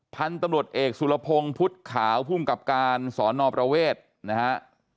ท่านตำรวจเอกสุรพงธ์พุทธขาวผู้กับการสนประเวทนะครับ